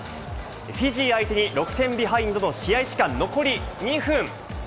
フィジー相手に６点ビハインドの試合時間残り２分。